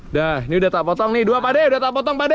udah ini udah tak potong nih dua pak de udah tak potong pak de